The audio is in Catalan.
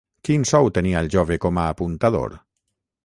Quin sou tenia el jove com a apuntador?